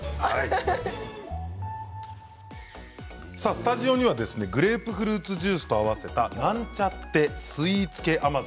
スタジオにはグレープフルーツジュースと合わせたなんちゃってスイーツ系甘酒